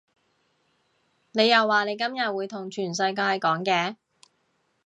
你又話你今日會同全世界講嘅